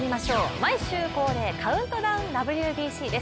毎週恒例、「カウントダウンＷＢＣ」です。